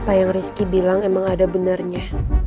apa yang rizky bilang emang ada benarnya